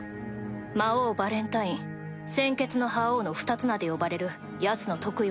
魔王ヴァレンタイン鮮血の覇王の二つ名で呼ばれるヤツの得意技だ。